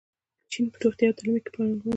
چین په روغتیا او تعلیم کې پانګونه کوي.